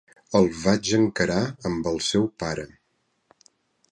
El vaig encarar amb el seu pare.